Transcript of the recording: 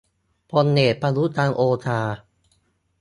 พลเอก ประยุทธ์ จันทร์โอชา